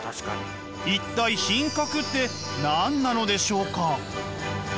一体品格って何なのでしょうか？